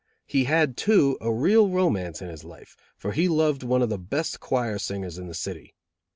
He had, too, a real romance in his life, for he loved one of the best choir singers in the city.